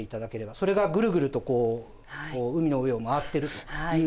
それがぐるぐると海の上を回っているというイメージで。